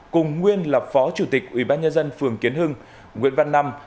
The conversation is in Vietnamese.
cùng nguyên lập phó chủ tịch ủy ban nhân dân phường kiến hưng nguyễn văn năm